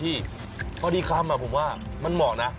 พอดีคำผมว่ามันเหมาะนะ